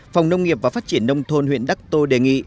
phòng nông nghiệp và phát triển nông thôn huyện đắc tô đề nghị